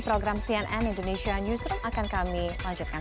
program cnn indonesia newsroom akan kami lanjutkan